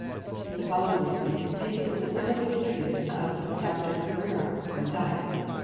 The following receipt is taken from the celebrated treatise of Dr. Pereira on Diet.